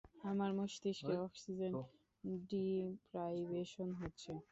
আমার মস্তিষ্কে oxygen deprivation হচ্ছে।